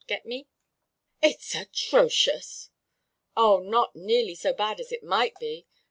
Get me?" "It's atrocious!" "Oh, not nearly so bad as it might be.